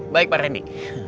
baik pak randy